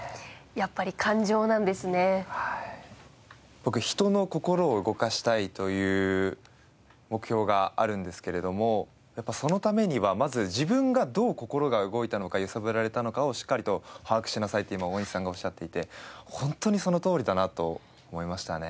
僕人の心を動かしたいという目標があるんですけれどもやっぱそのためにはまず自分がどう心が動いたのか揺さぶられたのかをしっかりと把握しなさいって今大西さんがおっしゃっていて本当にそのとおりだなと思いましたね。